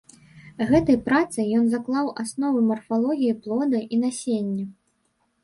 Гэтай працай ён заклаў асновы марфалогіі плода і насення.